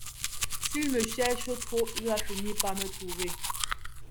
S'il me cherche trop, il va finir par me trouver...